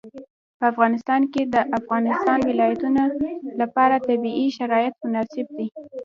په افغانستان کې د د افغانستان ولايتونه لپاره طبیعي شرایط مناسب دي.